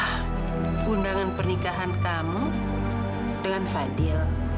ah undangan pernikahan kamu dengan fadil